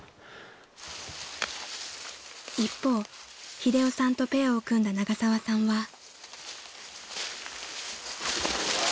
［一方英雄さんとペアを組んだ永沢さんは］